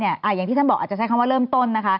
อย่างที่ท่านบอกอาจจะใช้คำว่าเริ่มต้นนะคะ